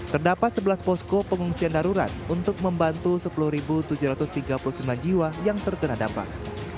terdapat sebelas posko pengungsian darurat untuk membantu sepuluh tujuh ratus tiga puluh sembilan jiwa yang terkena dampak